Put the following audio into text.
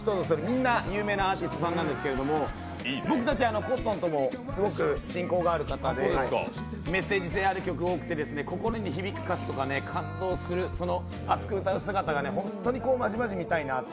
みんな有名なアーティストさんなんですけど僕たちコットンともすごく親交がある方でメッセージ性ある曲が多くて心に響く歌詞とか感動する、熱く歌う姿が本当にまじまじ見たいなと。